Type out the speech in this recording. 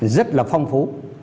rất là phong phú